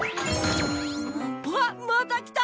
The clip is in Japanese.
あっまたきた！